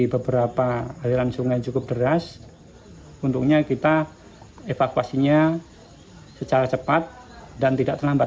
beberapa aliran sungai cukup deras untungnya kita evakuasinya secara cepat dan tidak terlambat